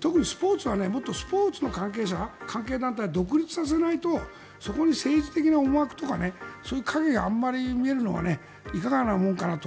特にスポーツはもっとスポーツの関係者とか関係団体を独立させないとそこに政治的な思惑がそういう影があまり見えるのはいかがなものかなと。